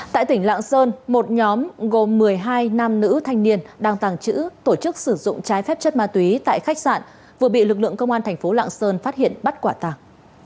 tại tỉnh lạng sơn một nhóm gồm một mươi hai nam nữ thanh niên đang tàng trữ tổ chức sử dụng trái phép chất ma túy tại khách sạn vừa bị lực lượng công an thành phố lạng sơn phát hiện bắt quả tàng